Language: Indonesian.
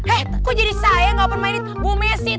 eh kok jadi saya nggak permainin bu messi tuh